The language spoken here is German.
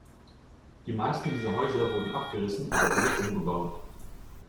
Die meisten dieser Häuser wurden abgerissen oder völlig umgebaut.